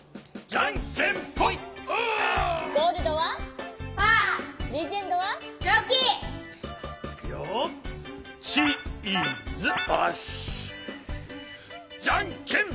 じゃんけんぽん！